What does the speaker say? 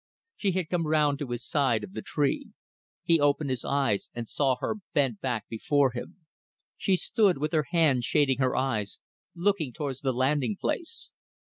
She had come round to his side of the tree. He opened his eyes and saw her bent back before him. She stood, with her hand shading her eyes, looking towards the landing place.